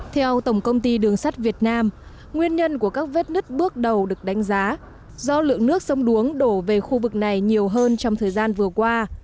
theo tổng công ty đường sắt việt nam nguyên nhân của các vết nứt bước đầu được đánh giá do lượng nước sông đuống đổ về khu vực này nhiều hơn trong thời gian vừa qua